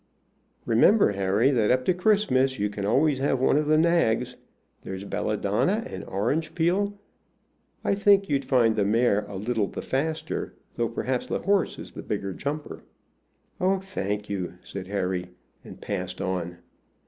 "Remember, Harry, that up to Christmas you can always have one of the nags. There's Belladonna and Orange Peel. I think you'd find the mare a little the faster, though perhaps the horse is the bigger jumper." "Oh, thank you!" said Harry, and passed on.